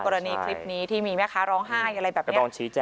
กรณีคลิปนี้ที่มีแม่ค้าร้องไห้อะไรแบบนี้